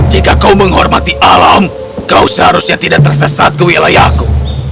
jika kau menghormati alam kau seharusnya tidak tersesat ke wilayahku